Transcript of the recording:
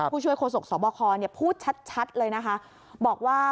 ผู้ช่วยโฆษกสบคพูดชัดเลยนะคะบอกว่า